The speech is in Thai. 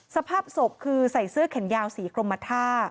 สภาพศพคือใส่เสื้อแขนยาวสีกรมท่า